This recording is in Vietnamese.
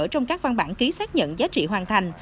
trong các văn bản ký xác nhận giá trị hoàn thành